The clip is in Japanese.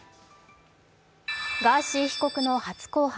ガーシー被告の初公判。